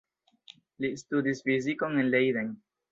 Li studis fizikon en Leiden.